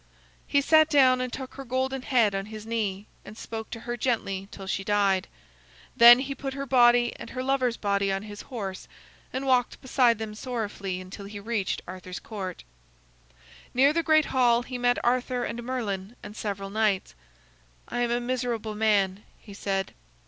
He sat down and took her golden head on his knee, and spoke to her gently till she died. Then he put her body and her lover's body on his horse, and walked beside them sorrowfully until he reached Arthur's Court. Near the great hall he met Arthur and Merlin and several knights. "I am a miserable man," he said.